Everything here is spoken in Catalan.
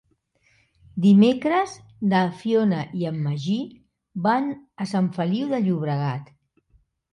Dimecres na Fiona i en Magí van a Sant Feliu de Llobregat.